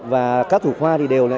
và các thủ khoa thì đều là